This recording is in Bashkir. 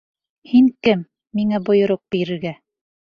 Һин кем, миңә бойороҡ бирергә?!